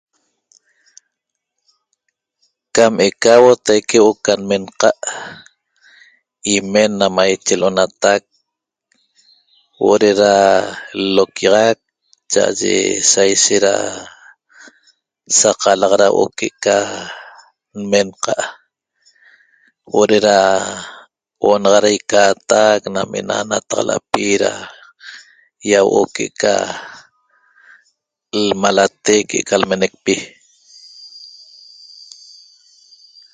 Cam eca huotaique huo'o ca menqa' imen na maiche l'onatac huo'o de'eda l'oquiaxac cha'aye sa ishet da saq alaq da huo'o que'eca menqa' huo'o de'eda huo'o ne'ena da ica'atac nam ena lataxalapi da yahuo'o que'eca lmalate que'eca nmenecpi